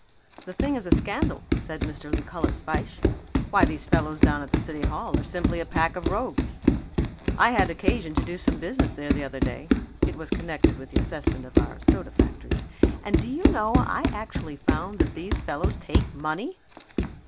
"The thing is a scandal," said Mr. Lucullus Fyshe. "Why, these fellows down at the city hall are simply a pack of rogues. I had occasion to do some business there the other day (it was connected with the assessment of our soda factories) and do you know, I actually found that these fellows take money!"